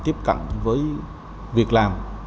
tiếp cận với việc làm